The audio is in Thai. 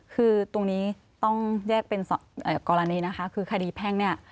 คือตรงนี้ต้องแยกเป็นกรณีนะคะคือคดีแพ่งเนี่ย